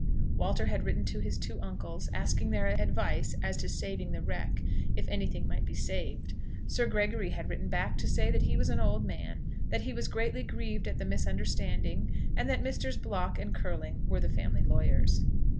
Walter had written to his two uncles, asking their advice as to saving the wreck, if anything might be saved. Sir Gregory had written back to say that he was an old man, that he was greatly grieved at the misunderstanding, and that Messrs. Block and Curling were the family lawyers.